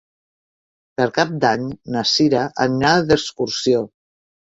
Per Cap d'Any na Sira anirà d'excursió.